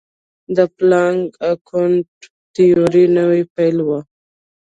د پلانک کوانټم تیوري نوې پیل وه.